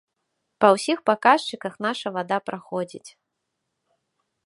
Па ўсіх паказчыках наша вада праходзіць.